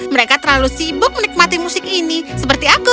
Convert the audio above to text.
mereka terlalu sibuk menikmati musik ini seperti aku